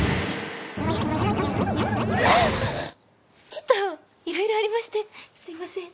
ちょっといろいろありましてすいません。